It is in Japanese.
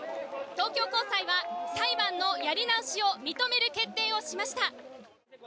東京高裁は裁判のやり直しを認める決定をしました。